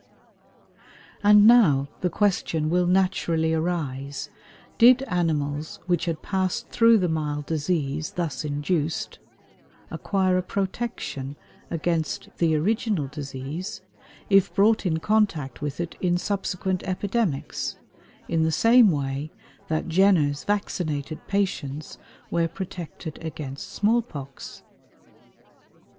And now the question will naturally arise, Did animals which had passed through the mild disease thus induced acquire a protection against the original disease, if brought in contact with it in subsequent epidemics, in the same way that Jenner's vaccinated patients were protected against small pox?